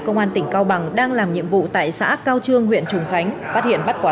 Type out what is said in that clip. công an tỉnh cao bằng đang làm nhiệm vụ tại xã cao trương huyện trùng khánh phát hiện bắt quả